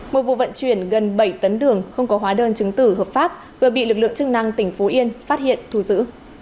một vụ vận chuyển gần bảy tấn đường không có hóa đơn chứng tử hợp pháp vừa bị lực lượng chức năng tỉnh phú yên phát hiện thu giữ